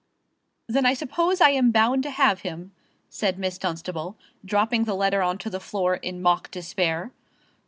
"Then I suppose I am bound to have him," said Miss Dunstable, dropping the letter on to the floor in mock despair.